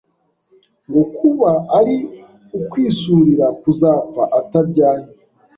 ngo kuba ari ukwisurira kuzapfa atabyaye